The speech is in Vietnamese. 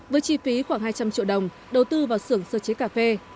với chi phí khoảng hai trăm linh triệu đồng đầu tư vào sưởng sơ chế cà phê